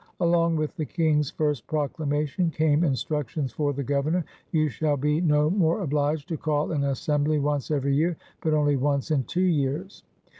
Along with the King's first proclamation came instruc tions for the Governor. ^^ You shall be no more obliged to call an Assembly once every year, but only once in two years.